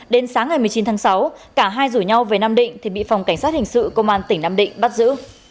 đến sáng ngày một mươi chín tháng sáu cả hai rủ nhau về nam định thì bị phòng cảnh sát hình sự công an tỉnh nam định bắt giữ